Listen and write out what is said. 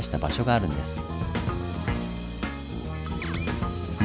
あるもんですね。